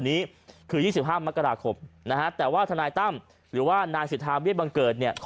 ที่ครอบครองไหมอย่างผิดกฎหมายเนี่ย